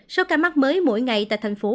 số ca mắc mới mỗi ngày tại thành phố